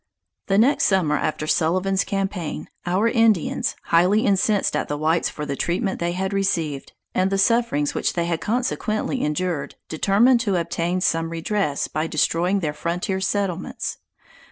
The next summer after Sullivan's campaign, our Indians, highly incensed at the whites for the treatment they had received, and the sufferings which they had consequently endured, determined to obtain some redress by destroying their frontier settlements.